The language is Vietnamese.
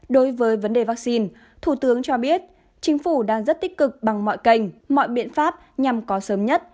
đối với vấn đề vaccine thủ tướng cho biết chính phủ đang rất tích cực bằng mọi kênh mọi biện pháp nhằm có sớm nhất